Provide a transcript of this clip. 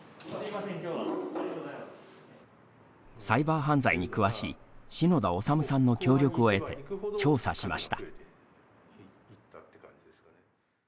サイバー犯罪に詳しい篠田律さんの協力を得て調査しました。